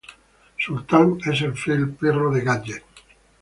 Sultán, es el fiel perro de Gadget.